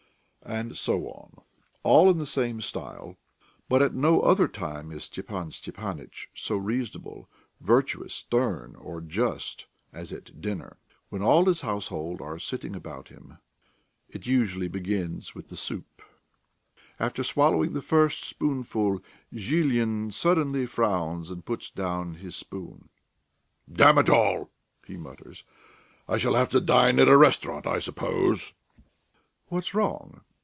And so on, all in the same style. But at no other time is Stepan Stepanitch so reasonable, virtuous, stern or just as at dinner, when all his household are sitting about him. It usually begins with the soup. After swallowing the first spoonful Zhilin suddenly frowns and puts down his spoon. "Damn it all!" he mutters; "I shall have to dine at a restaurant, I suppose." "What's wrong?"